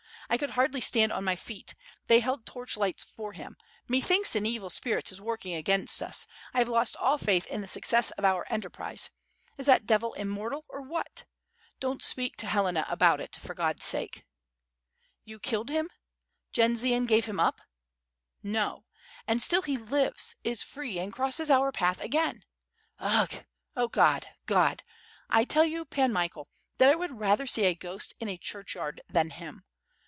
I could hardly stand on my feet — they held torch lights for him — methinks an evil spirit is working against us; I haye lost all faith in the success of our enterprise. Is that devil im mortal, or what? ... don't speak to Helena about it, for God's sake." "You killed him, Jendzian gave him up? No! And still he lives, is free, and crosses our path again. Ugh! Oh God! God! I tell you. Pan Michael, that I would rather see a ghost in a churchyard than him.